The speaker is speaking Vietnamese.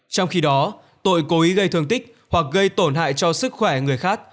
trong khi đó tội cố ý gây thương tích hoặc gây tổn hại cho sức khỏe người khác